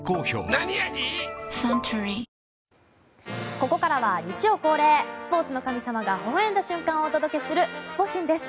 ここからは日曜恒例スポーツの神様がほほ笑んだ瞬間をお届けするスポ神です。